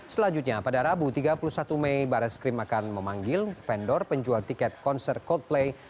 selanjutnya pada rabu tiga puluh satu mei baris krim akan memanggil vendor penjual tiket konser coldplay